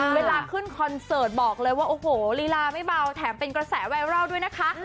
เวลาขึ้นคอนเสิร์ตบอกเลยว่าโอ้โหลีลาไม่เบาแถมเป็นกระแสไวรัลด้วยนะคะ